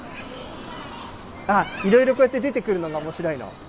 いろいろこうやって出てくるのがおもしろいの？